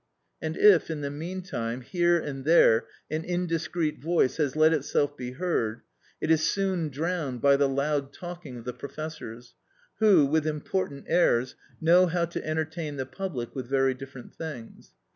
And if, in the meantime, here and there an indiscreet voice has let itself be heard, it is soon drowned by the loud talking of the professors, who, with important airs, know how to entertain the public with very different things.